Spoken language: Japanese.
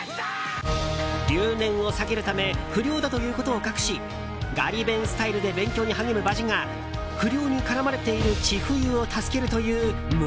留年を避けるため不良だということを隠しガリ勉スタイルで勉強に励む場地が不良に絡まれている千冬を助けるという胸